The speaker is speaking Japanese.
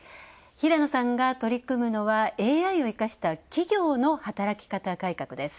平野さんが取り組むのはＡＩを生かした企業の働き方改革です。